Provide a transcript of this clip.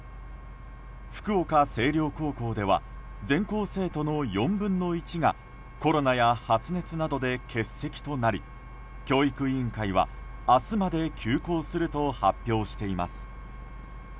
福岡西陵高校では全校生徒の４分の１がコロナや発熱などで欠席となり教育委員会は明日まで休校すると発表しています。